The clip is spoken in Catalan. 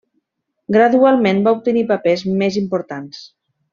Gradualment va obtenint papers més importants.